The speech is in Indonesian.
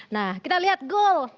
nah kita lihat gol